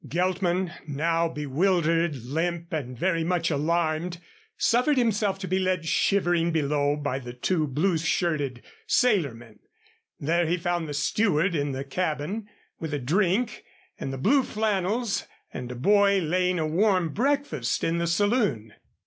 Geltman, now bewildered, limp and very much alarmed, suffered himself to be led shivering below by the two blue shirted sailor men. There he found the steward in the cabin with a drink, and the blue flannels, and a boy laying a warm breakfast in the saloon.